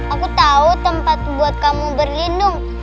aku tahu tempat buat kamu berlindung